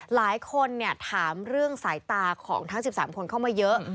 หลายคนถามเรื่องสายตาของทั้ง๑๓คนเข้ามาเยอะ